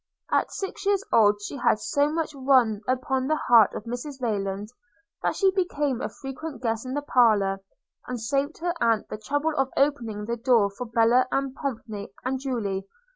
At six years old she had so much won upon the heart of Mrs Rayland, that she became a frequent guest in the parlour, and saved her aunt the trouble of opening the door for Bella, and Pompey, and Julie.